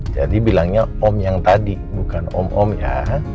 jadi bilangnya om yang tadi bukan om om ya